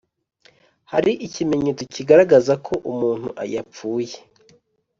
Hari ikimenyetso kigaragaza ko umuntu yapfuye